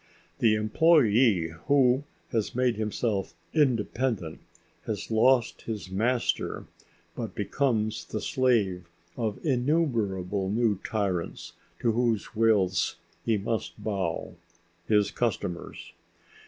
The employee who has made himself "independent" has lost his master but becomes the slave of innumerable new tyrants to whose wills he must bow: his customers.